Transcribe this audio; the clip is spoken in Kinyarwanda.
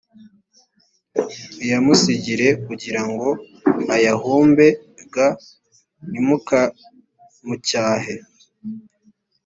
muyamusigire kugira ngo ayahumbe g ntimukamucyahe